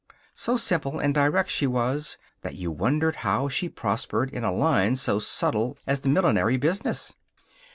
So simple and direct she was that you wondered how she prospered in a line so subtle as the millinery business.